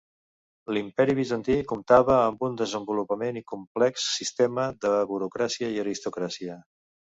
L'Imperi bizantí comptava amb un desenvolupat i complex sistema de burocràcia i aristocràcia.